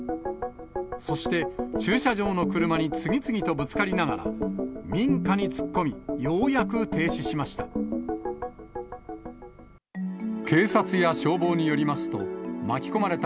そして、駐車場の車に次々とぶつかりながら、民家に突っ込み、ようやく停止しました。